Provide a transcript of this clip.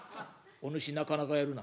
「お主なかなかやるな。